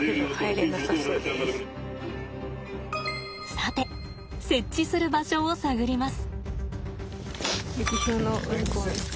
さて設置する場所を探ります。